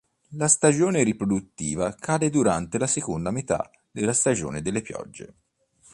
La stagione riproduttiva cade durante la seconda metà della stagione delle piogge.